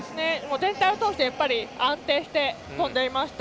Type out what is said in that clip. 全体を通して安定して跳んでいました。